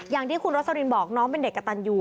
อย่างที่คุณโรสลินบอกน้องเป็นเด็กกระตันยู